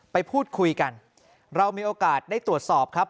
ไปพูดคุยกันเรามีโอกาสได้ตรวจสอบครับ